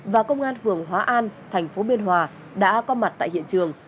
và công an phường hóa an thành phố biên hòa đã có mặt tại hiện trường